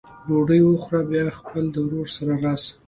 ډوډۍ وخوره بیا خپل د ورور سره راسه!